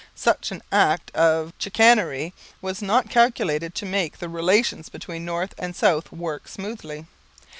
Such an act of chicanery was not calculated to make the relations between north and south work smoothly.